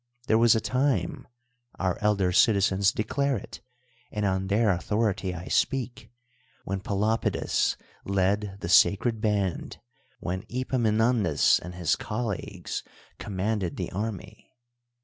There was a time (our elder citizens declare it, and on their authority I speak) when Pelopidas led the Sacred Band; when Epaminondas and his coUeages command ed the army.